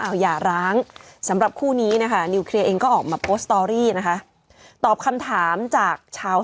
เอาอย่าร้างสำหรับคู่นี้นะคะเองก็ออกมานะคะตอบคำถามจากชาว